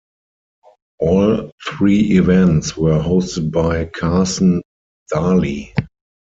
All three events were hosted by Carson Daly.